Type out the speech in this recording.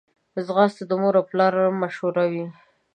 ځغاسته د مور او پلار مشوره وي